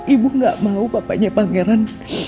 ibu gak mau bapaknya pangeran